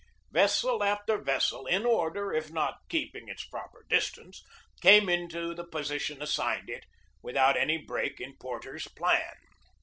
Vessel after vessel in order, if not keeping its proper distance, came into the position assigned it, without any break in Porter's plan.